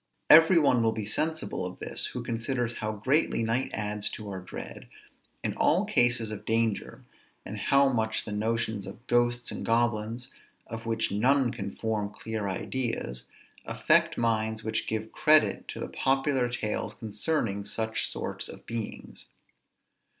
Every one will be sensible of this, who considers how greatly night adds to our dread, in all cases of danger, and how much the notions of ghosts and goblins, of which none can form clear ideas, affect minds which give credit to the popular tales concerning such sorts of beings.